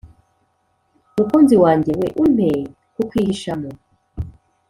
Mukunzi wanjye we umpee kukwihishamo